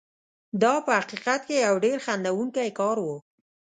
دا په حقیقت کې یو ډېر خندوونکی کار و.